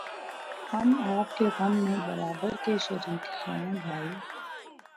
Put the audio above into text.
ہم آپ کے غم میں برابر کے شریک ہیں بھائی